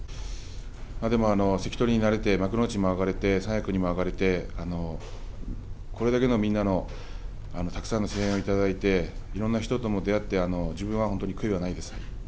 でも関取になれて幕内にも上がれて三役にも上がれてこれだけのみんなのたくさんの声援をいただいていろんな人とも出会えて自分は悔いがないです。